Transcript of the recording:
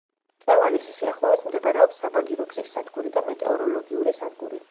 მწვერვალის სიახლოვეს მდებარეობს საბაგირო გზის სადგური და მეტეოროლოგიური სადგური.